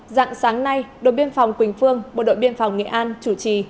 dạng sáng nay đội biên phòng quỳnh phương bộ đội biên phòng nghệ an chủ trì